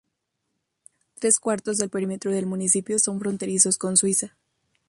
Tres cuartos del perímetro del municipio son fronterizos con Suiza.